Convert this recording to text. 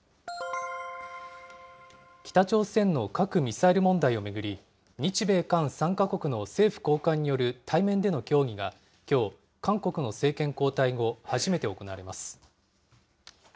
北朝鮮の核・ミサイル問題を巡り、日米韓３か国の政府高官による対面での協議がきょう、韓国の政権交代後、初めて行われます。